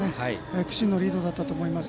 苦心のリードだったと思います。